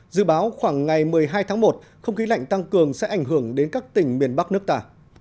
dự báo khoảng ngày một mươi hai tháng một không khí lạnh tăng cường sẽ ảnh hưởng đến các tỉnh miền bắc nước ta